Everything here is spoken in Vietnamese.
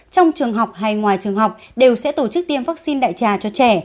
trong trường học hay ngoài trường học đều sẽ tổ chức tiêm vaccine đại trà cho trẻ